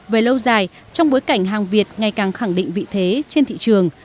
về lâu dài trong bối cảnh hàng việt ngày càng khẳng định vị thế trên thị trường